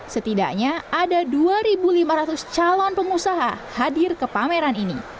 setidaknya ada dua lima ratus calon pengusaha hadir ke pameran ini